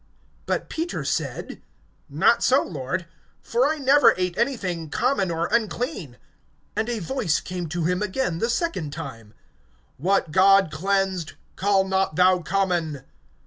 (14)But Peter said: Not so, Lord; for I never ate anything common or unclean. (15)And a voice came to him again, the second time: What God cleansed, call not thou common.